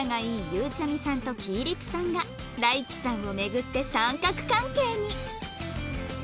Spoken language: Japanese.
ゆうちゃみさんときぃぃりぷさんが ＲＡｉＫＩ さんを巡って三角関係に